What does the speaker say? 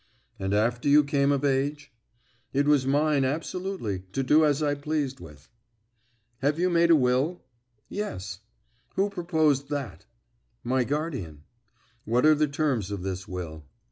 "And after you came of age?" "It was mine absolutely, to do as I pleased with." "Have you made a will?" "Yes." "Who proposed that?" "My guardian." "What are the terms of this will?"